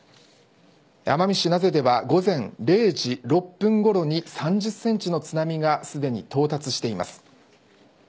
奄美市名瀬では午前０時６分ごろに３０センチの津波がすでに到達しています。